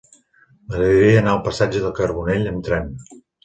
M'agradaria anar al passatge de Carbonell amb tren.